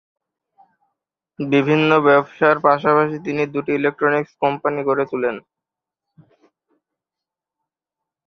বিভিন্ন ব্যবসার পাশাপাশি তিনি দুটি ইলেক্ট্রনিক্স কোম্পানি গড়ে তুলেন।